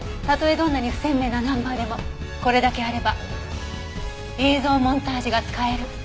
たとえどんなに不鮮明なナンバーでもこれだけあれば映像モンタージュが使える。